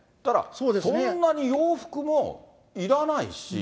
そんなに洋服もいらないし。